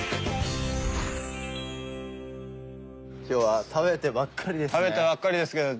今日は食べてばっかりですね。